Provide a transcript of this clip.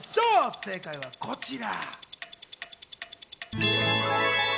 正解はこちら。